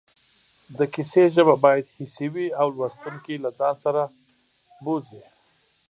د کیسې ژبه باید حسي وي او لوستونکی له ځان سره بوځي